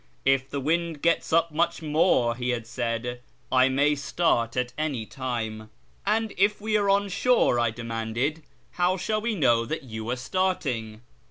" If the wind gets up much more," he had said, " I may start at any time." " And if we are on shore," I demanded, " how shall we know that you are starting